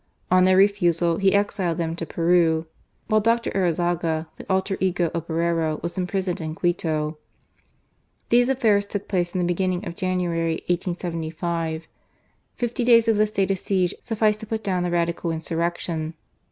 On their refusal, he exiled them to Peru ; while Dr. Arizaga, the alter ego of Borrero, was imprisoned in Quito. These affairs took place in the beginning of January, 1875. Fifty days of the state of siege sufficed to put down the Radical insurrection.